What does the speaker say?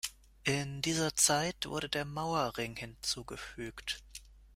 In dieser Zeit wurde der Mauerring hinzugefügt.